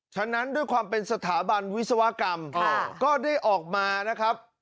ฉะนั้นด้วยความเป็นสถาบันวิศวกรรมก็ได้ออกมานะครับ